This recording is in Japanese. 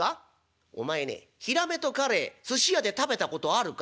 「お前ねひらめとかれいすし屋で食べたことあるかい？」。